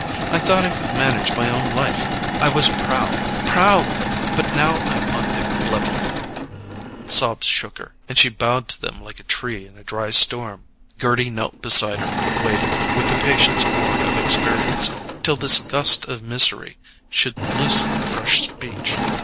I thought I could manage my own life—I was proud—proud! but now I'm on their level——" Sobs shook her, and she bowed to them like a tree in a dry storm. Gerty knelt beside her, waiting, with the patience born of experience, till this gust of misery should loosen fresh speech.